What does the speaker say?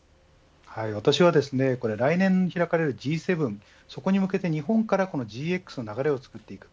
私は、来年開かれるＧ７そこに向けて日本からＧＸの流れを作っていく。